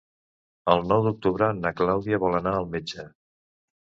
El nou d'octubre na Clàudia vol anar al metge.